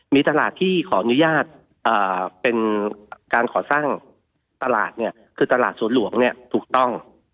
มีตลาดที่ขออนุญาตเป็นการขอสร้างตลาดคือตลาดสวนหลวงถูกต้อง